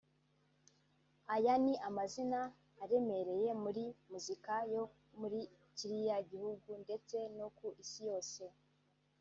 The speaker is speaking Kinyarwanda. Aya ni amazina aremereye muri muzika yo muri kiriya gihugu ndetse no ku isi yose